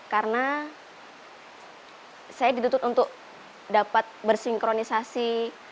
karena saya ditutup untuk dapat bersinkronisasi